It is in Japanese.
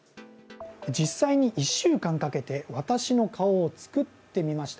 実際に１週間かけて私の顔を作ってみました。